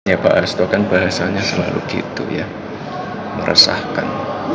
ya pak hasto kan bahasanya selalu gitu ya meresahkan